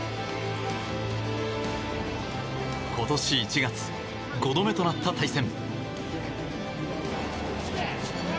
今年１月、５度目となった対戦。